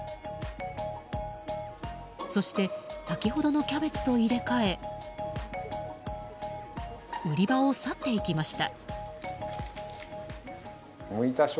そして先ほどのキャベツと入れ替え売り場を去っていきました。